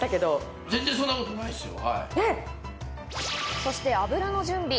そして油の準備。